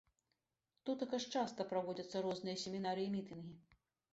Тутака ж часта праводзяцца розныя семінары і мітынгі.